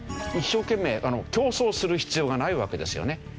一生懸命競争する必要がないわけですよね。